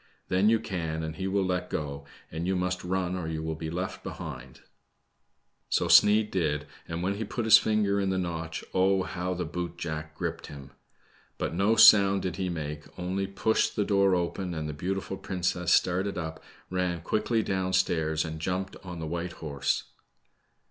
Then you can, and he will Tet go, and you must run or you will be left behind." BLAQK SNEID. 117 So Sneid did, and when he put his finger in the notch, 0, how the boot jack gripped him! But no sound did he make, only pushed the door open, and the beautiful princess started up, ran quickly down stairs, and jumped on the white horse.